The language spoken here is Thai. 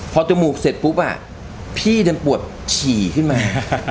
พอจมูกเสร็จปุ๊บพี่ดันปวดฉี่ขึ้นมา